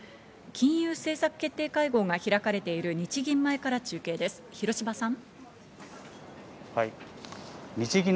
金融政策決定会合が開かれている日銀前から中継です、広芝さん。